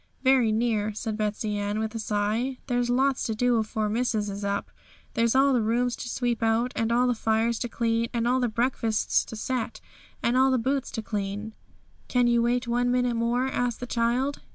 'Very near,' said Betsey Ann, with a sigh. 'There's lots to do afore missus is up; there's all the rooms to sweep out, and all the fires to light, and all the breakfasts to set, and all the boots to clean.' 'Can you wait one minute more?' asked the child.